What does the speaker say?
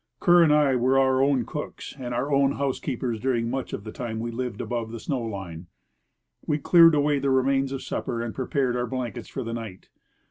Kerr and I were our own cooks and our own housekeepers during much of the time Ave lived above the snoAV line. We cleared aAA^ay the remains of the supper, and prepared our blankets for the night.